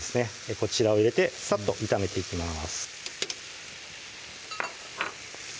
こちらを入れてさっと炒めていきます